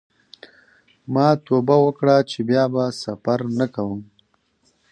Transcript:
ما توبه وکړه چې بیا به سفر نه کوم.